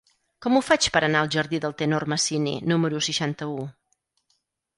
Com ho faig per anar al jardí del Tenor Masini número seixanta-u?